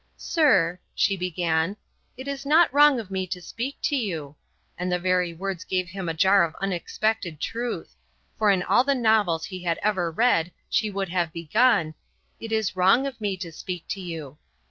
"Sir," she began, "it is not wrong of me to speak to you," and the very words gave him a jar of unexpected truth; for in all the novels he had ever read she would have begun: "It is wrong of me to speak to you."